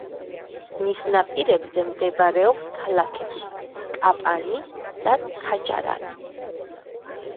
მის ნაპირებზე მდებარეობს ქალაქები: კაპანი და ქაჯარანი.